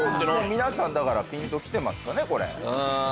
皆さんピンときてますかね。